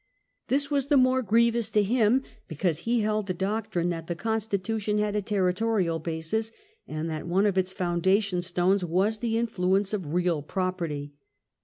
This was the more grievous to him because he held the doctrine that the Constitution had a territorial basis, and that one of its foundation stones was the influence of real property.